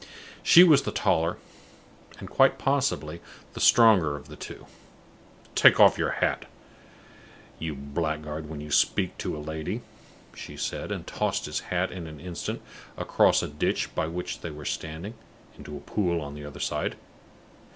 She was the taller, and (quite possibly) the stronger of the two. "Take your hat off, you blackguard, when you speak to a lady," she said, and tossed his hat in an instant, across a ditch by which they were standing, into a pool on the other side.